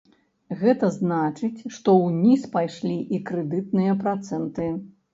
Гэта значыць, што ўніз пайшлі і крэдытныя працэнты.